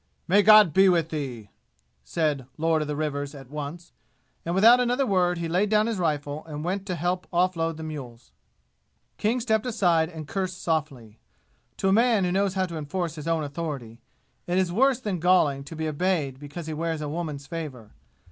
"May God be with thee!" said "Lord of the Rivers" at once. And without another word he laid down his rifle and went to help off load the mules. King stepped aside and cursed softly. To a man who knows how to enforce his own authority, it is worse than galling to be obeyed because he wears a woman's favor.